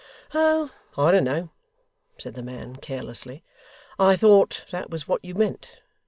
'Oh! I don't know,' said the man carelessly. 'I thought that was what you meant.